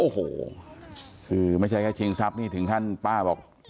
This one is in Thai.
โอ้โหคือไม่ใช่แค่ชิงทรัพย์นี่ถึงขั้นป้าบอก